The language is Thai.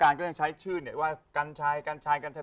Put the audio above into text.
เข้าวงการก็จะใช้ชื่อว่ากันชัยกันชัยกันชัย